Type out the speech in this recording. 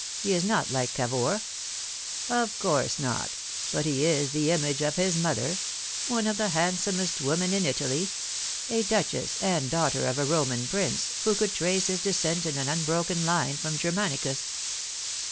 He is not like Cavour." " Of course not ; but he is the image of his mother one of the handsomest women in Italy a Duchess, and daughter of a Roman Prince, who could trace his descent in an unbroken line from Germanicus.